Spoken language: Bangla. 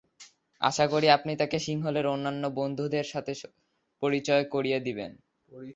আশা করি আপনি তাঁকে সিংহলের অন্যান্য বন্ধুদের সঙ্গে পরিচিত করিয়ে দেবেন।